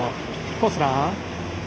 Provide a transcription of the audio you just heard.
コースラー。